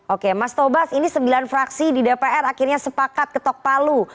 oke mas tobas ini sembilan fraksi di dpr akhirnya sepakat ketok palu